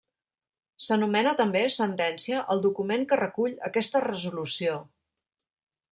S'anomena també sentència el document que recull aquesta resolució.